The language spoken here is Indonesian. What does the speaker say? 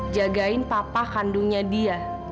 jagain papa kandungnya dia